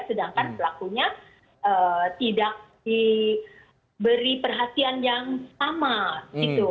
sedangkan pelakunya tidak diberi perhatian yang sama gitu